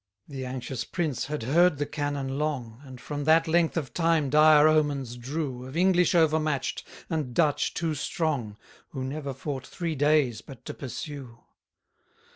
106 The anxious prince had heard the cannon long, And from that length of time dire omens drew Of English overmatch'd, and Dutch too strong, Who never fought three days, but to pursue.